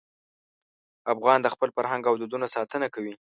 افغان د خپل فرهنګ او دودونو ساتنه کوي.